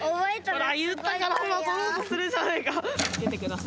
言ったから取ろうとするじゃないか！